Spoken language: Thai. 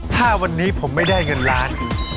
ถ้าวันนี้ผมไม่ได้เงินล้านอีก